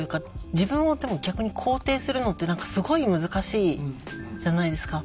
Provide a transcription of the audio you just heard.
自分をでも逆に肯定するのってすごい難しいじゃないですか。